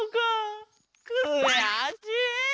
くやしい！